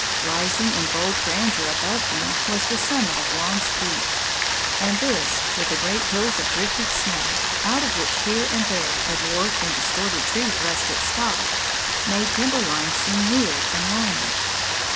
Rising in bold grandeur above me was the summit of Long's Peak, and this, with the great hills of drifted snow, out of which here and there a dwarfed and distorted tree thrust its top, made timber line seem weird and lonely.